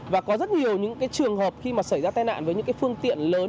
và có rất nhiều những cái trường hợp khi mà xảy ra tai nạn với những cái phương tiện lớn